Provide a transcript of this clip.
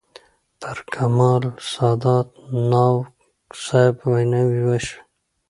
پر کمال سادات، ناوک صاحب ویناوې وشوې.